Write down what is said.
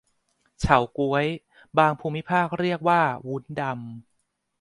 เฉาก๊วย บางภูมิภาคเรียกว่าวุ้นดำ